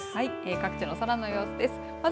各地の空の様子です。